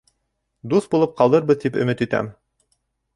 — Дуҫ булып ҡалырбыҙ тип өмөт итәм...